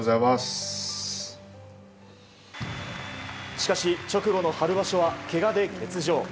しかし、直後の春場所はけがで欠場。